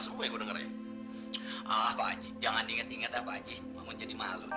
suku dengerin alah pak haji jangan inget inget apa aja mau jadi malu nih